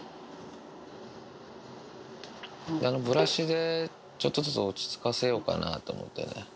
ブラシでちょっとずつ落ち着かせようかなと思ってね。